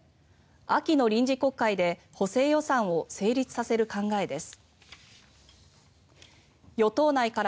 秋の臨時国会で補正予算を成立させる考えです。